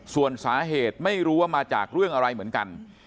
ส่วนสาเหตุไม่รู้ว่ามาจากเรื่องอะไรเหมือนกัน